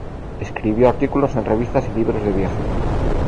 Escribió artículos en revistas y libros de viaje.